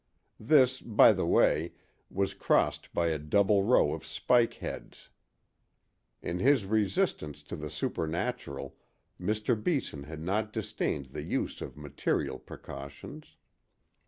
This, by the way, was crossed by a double row of spike heads. In his resistance to the supernatural, Mr. Beeson had not disdained the use of material precautions.